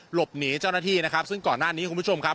หลบหนีเจ้าหน้าที่นะครับซึ่งก่อนหน้านี้คุณผู้ชมครับ